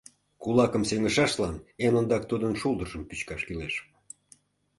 — Кулакым сеҥышашлан эн ондак тудын шулдыржым пӱчкаш кӱлеш.